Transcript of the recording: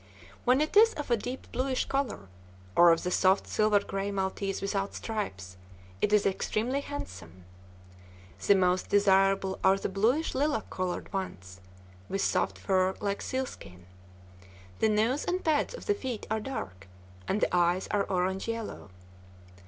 When it is of a deep bluish color, or of the soft silver gray maltese without stripes, it is extremely handsome. The most desirable are the bluish lilac colored ones, with soft fur like sealskin. The nose and pads of the feet are dark, and the eyes are orange yellow.